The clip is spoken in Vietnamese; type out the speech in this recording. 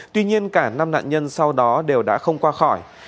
tuy nhiên cả năm nạn nhân sau đó đều đã không qua khỏi